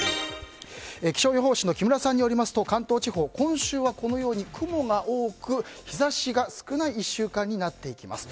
気象予報士の木村さんによると関東地方は今週はこのように雲が多く日差しが少ない１週間になっていきます。